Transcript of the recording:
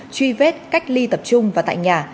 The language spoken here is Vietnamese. truy vết cách ly tập trung và tại nhà